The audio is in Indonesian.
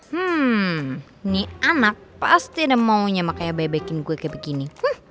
hmm ini anak pasti ada maunya makanya bebekin gue kayak begini